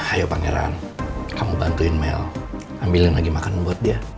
ayo pangeran kamu bantuin mel ambilin lagi makan buat dia